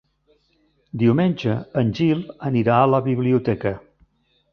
Diumenge en Gil anirà a la biblioteca.